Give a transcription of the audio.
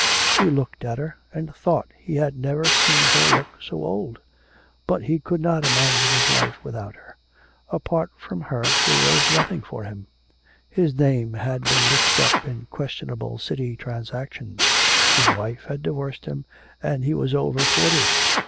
He looked at her, and thought that he had never seen her look so old; but he could not imagine his life without her. Apart from her, there was nothing for him. His name had been mixed up in questionable city transactions; his wife had divorced him, and he was over forty...